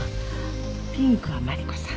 ピンクはマリコさん